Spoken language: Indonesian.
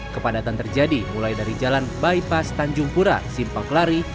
kepadatan terjadi mulai dari jalan bypass tanjung pura simpang kelari